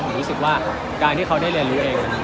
ผมรู้สึกว่าการที่เขาได้เรียนรู้เองมันมีพอสักครู่